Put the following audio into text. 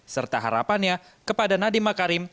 serta harapannya kepada nadiem makarim